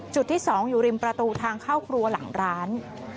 จุดที่๒อยู่ริมประตูทางเข้าครัวหลังร้าน